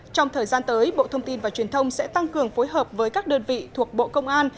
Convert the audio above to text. trong thời gian tới bộ thông tin và truyền thông sẽ tăng cường phối hợp với các đơn vị thuộc bộ công an